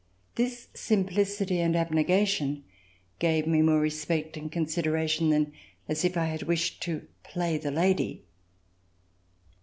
This simplicity and abnegation gave me more respect and considera tion than as if I had wished to play the lady.